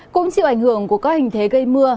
cũng chịu ảnh hưởng của các hình thế gây mưa